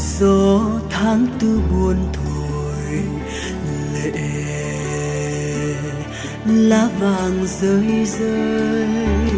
gió tháng tư buồn thổi lệ lá vàng rơi rơi